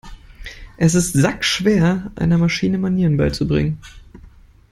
Es ist sackschwer, einer Maschine Manieren beizubringen.